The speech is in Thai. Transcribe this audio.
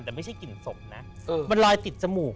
แต่ไม่ใช่กลิ่นศพนะมันลายติดจมูก